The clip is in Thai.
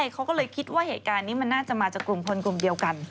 เขาก็เลยคิดว่าเหตุการณ์นี้มันน่าจะมาจากกลุ่มคนกลุ่มเดียวกัน